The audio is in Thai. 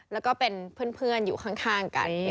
แล้วก็เป็นเพื่อนอยู่ข้างกัน